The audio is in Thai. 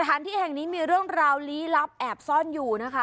สถานที่แห่งนี้มีเรื่องราวลี้ลับแอบซ่อนอยู่นะคะ